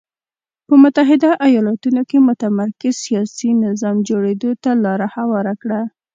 په متحده ایالتونو کې متمرکز سیاسي نظام جوړېدو ته لار هواره کړه.